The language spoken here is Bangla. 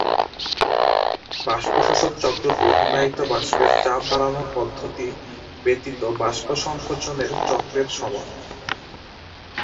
বাষ্প-শোষক চক্রটি হিমায়িত বাষ্পের চাপ বাড়ানোর পদ্ধতি ব্যতীত বাষ্প-সংকোচনের চক্রের সমান।